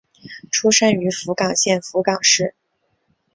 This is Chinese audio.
出身于福冈县福冈市。